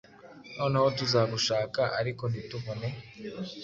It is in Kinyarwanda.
Noneho tuzagushaka, ariko ntitubone.